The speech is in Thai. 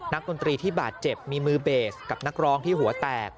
ดนตรีที่บาดเจ็บมีมือเบสกับนักร้องที่หัวแตก